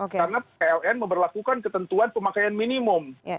karena kln memperlakukan ketentuan pemakaian minimum